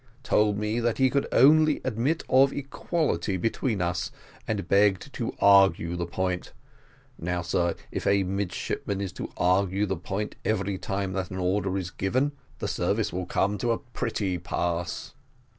Told me that he could only admit of equality between us, and begged to argue the point. Now, sir, if a midshipman is to argue the point every time that an order is given, the service will come to a pretty pass."